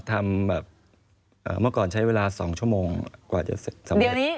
ทำแบบเมื่อก่อนใช้เวลา๒ชั่วโมงกว่าจะสำเร็จ